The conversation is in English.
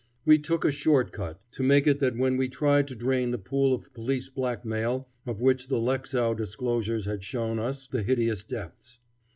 We took a short cut to make it that when we tried to drain the pool of police blackmail of which the Lexow disclosures had shown us the hideous depths.